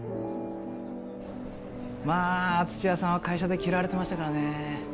まあ土屋さんは会社で嫌われてましたからねえ。